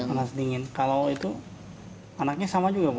panas dingin kalau itu anaknya sama juga bu